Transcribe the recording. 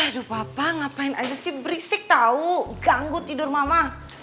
aduh papa ngapain aja sih berisik tahu ganggu tidur mama